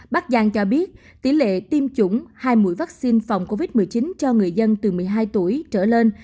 bắc giang cho biết tỷ lệ tiêm chủng hai mũi vaccine phòng covid một mươi chín cho người dân từ một mươi hai tuổi trở lên